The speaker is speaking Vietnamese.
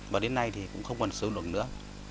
và đến nay thì cũng không còn sử dụng được nữa